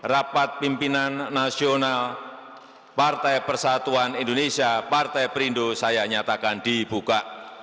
rapat pimpinan nasional partai persatuan indonesia partai perindo saya nyatakan dibuka